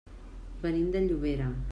Venim de Llobera.